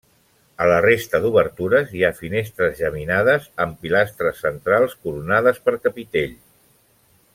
A la resta d'obertures hi ha finestres geminades amb pilastres centrals coronades per capitell.